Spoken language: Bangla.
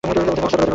ওদের ব্যবস্থা করো।